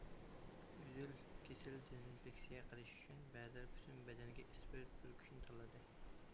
« ئۈزۈل- كېسىل» دېزىنفېكسىيە قىلىش ئۈچۈن، بەزىلەر پۈتۈن بەدەنگە ئىسپىرت پۈركۈشنى تاللىدى.